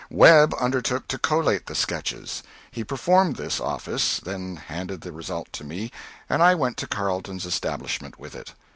Webb undertook to collate the sketches. He performed this office, then handed the result to me, and I went to Carleton's establishment with it.